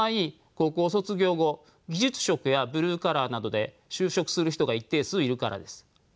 高校卒業後技術職やブルーカラーなどで就職する人が一定数いるからです。